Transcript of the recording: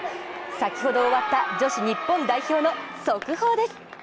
先ほど終わった女子日本代表の速報です。